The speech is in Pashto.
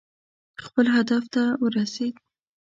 خپل هدف ته ورسېد.